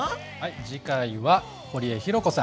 次回は堀江ひろ子さん。